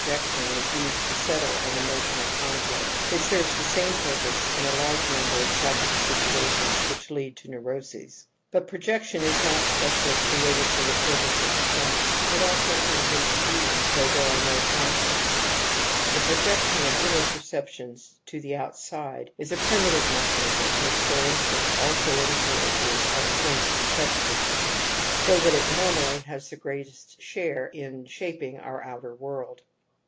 jQf^^ is usgiJLiQ^ settle an emotional gpnflicL^ it seiveS'the same purpose in a large number of psychic situations which lead to neuroses. But projection^ isnot specially created for the purpo se^oTj^ comes mtobeing where tKere are no con THE AMBIVALENCE OF EMOTIONS 109 flicts^ The projection of inner perceptions to the outside is a primitive mechanism which, for instancq^also influences our sense perceptions, so that it normally has the greatest share in shaping our outer world.